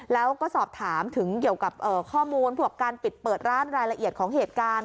แล้วก็สอบถามถึงเกี่ยวกับข้อมูลพวกการปิดเปิดร้านรายละเอียดของเหตุการณ์